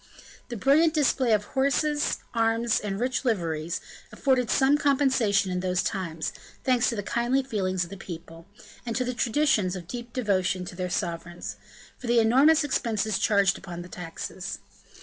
The brilliant display of horses, arms, and rich liveries, afforded some compensation in those times, thanks to the kindly feelings of the people, and to the traditions of deep devotion to their sovereigns, for the enormous expenses charged upon the taxes.